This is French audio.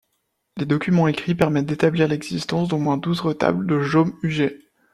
Les documents écrits permettent d'établir l'existence d'au moins douze retables de Jaume Huguet.